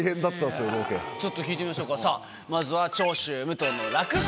ちょっと聞いてみましょうかさぁまずは。